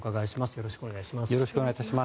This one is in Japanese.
よろしくお願いします。